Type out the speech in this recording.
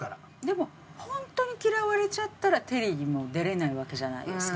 でも本当に嫌われちゃったらテレビにも出られないわけじゃないですか。